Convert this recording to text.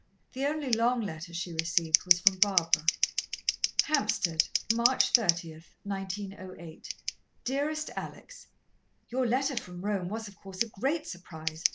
The only long letter she received was from Barbara. "Hampstead, "March 30, 1908. "DEAREST ALEX, "Your letter from Rome was, of course, a great surprise.